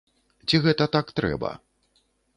Ці гэта так трэба?